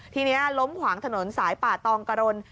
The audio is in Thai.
ทีนี้ล้มขวางถนนสายป่าตองกะรน